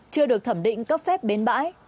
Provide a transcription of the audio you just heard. chưa được thẩm định cấp phép bến bãi